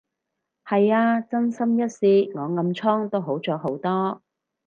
係啊，真心一試，我暗瘡都好咗好多